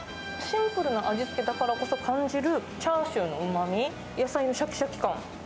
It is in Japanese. シンプルな味付けだからこそ感じるチャーシューのうまみ、野菜のしゃきしゃき感。